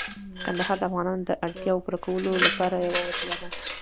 کندهار د افغانانو د اړتیاوو پوره کولو لپاره یوه وسیله ده.